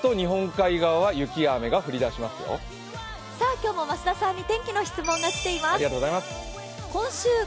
今日も増田さんに天気の質問が来ています。